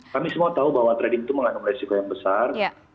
kami semua tahu bahwa trading itu mengandung resiko yang besar